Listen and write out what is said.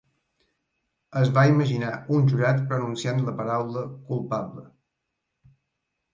Es va imaginar un jurat pronunciant la paraula "culpable".